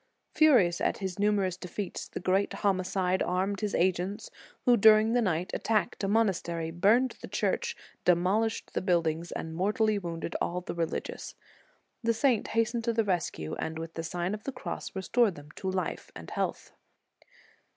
Furious at his numerous defeats, the great homicide armed his agents, who during the night attacked the monas tery, burned the church, demolished the build ings, and mortally wounded all the religious. The saint hastened to the rescue, and with the Sign of the Cross restored them to life and health.